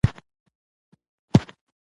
مخامخ يې پر عمومي سړک منډه ور واخيسته.